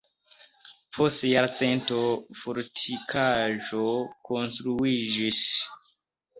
Post jarcento fortikaĵo konstruiĝis.